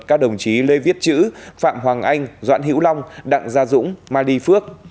các đồng chí lê viết chữ phạm hoàng anh doãn hữu long đặng gia dũng mai đi phước